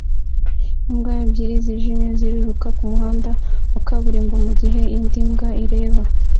Imbwa ebyiri zijimye ziruka kumuhanda wa kaburimbo mugihe indi mbwa ireba